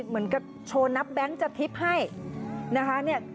เหมือนกับโชว์นับแบงค์จัดทริปให้นะคะ